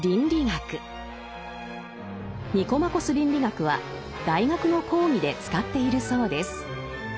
「ニコマコス倫理学」は大学の講義で使っているそうです。